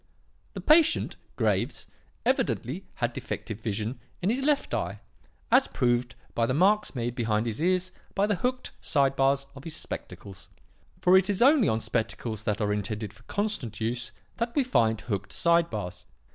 The patient, Graves, evidently had defective vision in his left eye, as proved by the marks made behind his ears by the hooked side bars of his spectacles; for it is only on spectacles that are intended for constant use that we find hooked side bars.